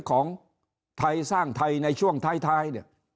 ของไทยสร้างไทยในช่วงไทย